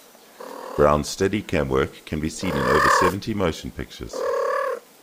Brown's Steadicam work can be seen in over seventy motion pictures.